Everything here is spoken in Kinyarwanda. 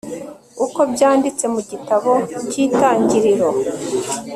uko byanditse mu gitabo cy'itangiriro